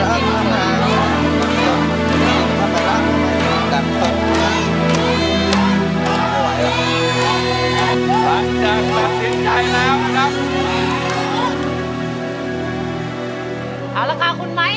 เอาแล้วค่ะคุณไม้จะพูดแล้วค่ะ